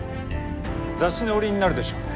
雑誌の「売り」になるでしょうね。